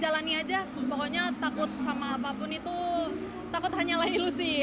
jalani aja pokoknya takut sama apapun itu takut hanyalah ilusi